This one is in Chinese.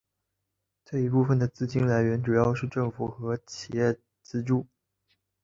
这一部分的资金来源主要是政府和企业资助。